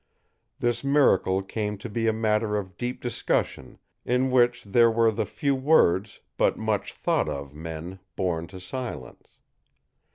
This miracle came to be a matter of deep discussion, in which there were the few words but much thought of men born to silence.